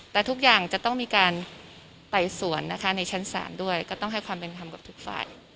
แต่ทุกอย่างจะต้องมีการไต่สวนนะคะในชั้นศาลด้วยก็ต้องให้ความเป็นธรรมกับทุกฝ่าย